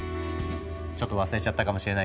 ちょっと忘れちゃったかもしれないけど